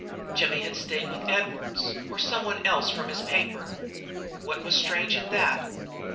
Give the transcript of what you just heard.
Jimmy had stayed with Edwards or someone else from his paper. What was strange in that?